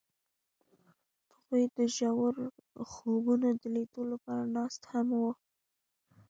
هغوی د ژور خوبونو د لیدلو لپاره ناست هم وو.